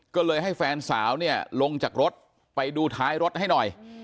ก็เลยให้แฟนสาวเนี่ยลงจากรถไปดูท้ายรถให้หน่อย